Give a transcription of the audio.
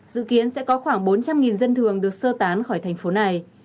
dự kiến sẽ có khoảng bốn trăm linh dân thường được sơ tán khỏi thành phố này